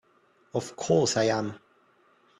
Of course I am!